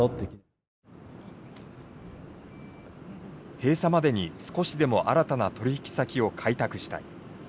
閉鎖までに少しでも新たな取引先を開拓したい。